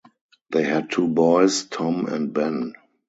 They had two boys, Tom and Ben.